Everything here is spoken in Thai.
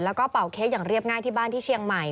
แล้วก็เป่าเค้กอย่างเรียบง่ายที่บ้านที่เชียงใหม่